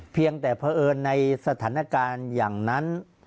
สถานการณ์อย่างนั้น